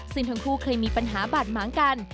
ซึ่งทั้งคู่เคยมีปัญหาบาดหมางกัน